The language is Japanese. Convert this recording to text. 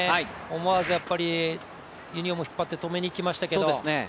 思わずユニフォームを引っ張って止めにいきましたけど。